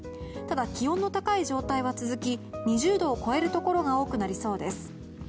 ただ、気温の高い状態は続き２０度を超えるところが多くなりそうです。